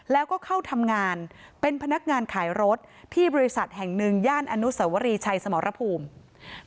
แล้วก็เข้าทำงานเป็นพนักงานขายรถที่บริษัทแห่งหนึ่งย่านอนุสวรีชัยสมรภูมิ